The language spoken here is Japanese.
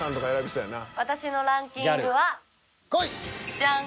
ジャン。